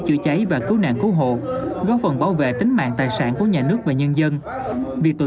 chữa cháy và cứu nạn cứu hộ góp phần bảo vệ tính mạng tài sản của nhà nước và nhân dân việc tổ